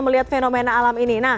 melihat fenomena alam ini